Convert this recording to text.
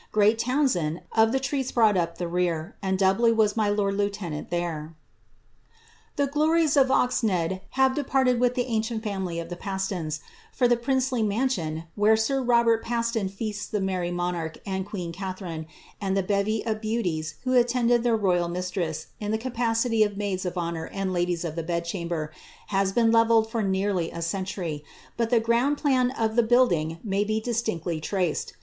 Great Townsend, of the treats brought up the rear, And doubly was my lord lieutenant there." ^ le glories of Oxnead have departed with the ancient family of the >ii8 ; for the princely mansion where sir Robert Paston feasted tlie y monarch and queen Catharine, and the bevy of beauties who ded their ro3ral mistress in the capacity of maids of honour and s of the bed chamber, has been levelled for nearly a century, but ;round plan of the building may be distinctly traced.'